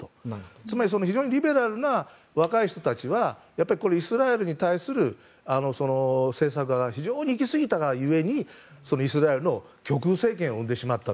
つまり非常にリベラルな若い人たちはイスラエルに対する政策が非常に行き過ぎたがゆえにイスラエルの極右政権を生んでしまった。